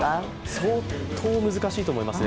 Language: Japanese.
相当難しいと思いますね。